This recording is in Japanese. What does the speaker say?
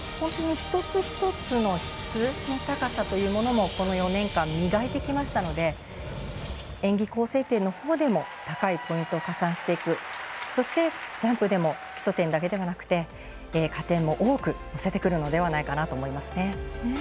一つ一つの質の高さというものもこの４年間、磨いてきましたので演技構成点のほうでも高いポイントを加算していくそして、ジャンプでも基礎点だけではなくて加点も多く乗せてくるのではないかなと思いますね。